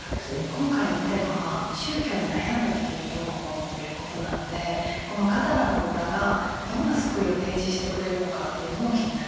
今回のテーマは「宗教に悩んだ時に読む本」ということなのでこの「ガダラの豚」がどんな救いを提示してくれるのかっていうのも気になります。